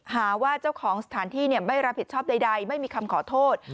หาว่าเจ้าของสถานที่ไม่รับผิดชอบใดไม่มีคำขอโทษ